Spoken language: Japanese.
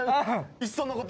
いっそのこと？